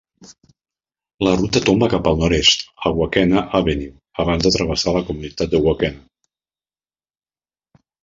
La ruta tomba cap al nord-est a Waukena Avenue abans de travessar la comunitat de Waukena.